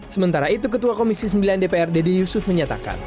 sementara itu ketua komisi sembilan dpr dede yusuf menyatakan